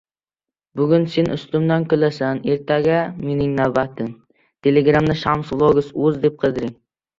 • Bugun sen ustimdan kulasan, ertaga — mening navbatim.